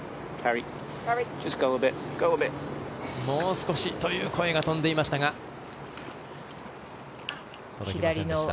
もう少しという声が飛んでいましたが届きませんでした。